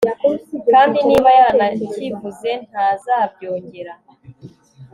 kandi niba yaranakivuze, ntazabyongera